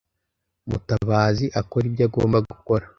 Mutabazi akore ibyo agomba gukora.